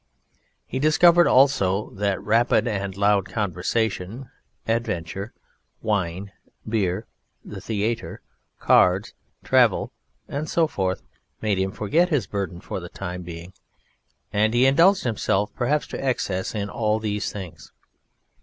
He discovered also that rapid and loud conversation, adventure, wine, beer, the theatre, cards, travel, and so forth made him forget his Burden for the time being, and he indulged himself perhaps to excess in all these things.